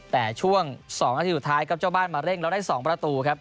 แต่ช่วง๒นาทีสุดท้ายครับเจ้าบ้านมาเร่งแล้วได้๒ประตูครับ